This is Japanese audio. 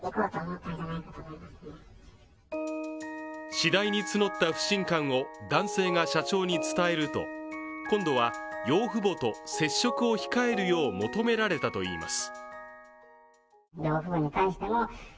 次第に募った不信感を男性が社長に伝えると今度は、養父母と接触を控えるよう求められたといいます。